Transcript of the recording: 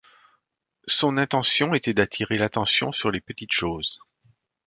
Son intention était d'attirer l'attention sur les petites choses.